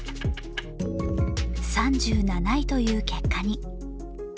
３７位という結果に。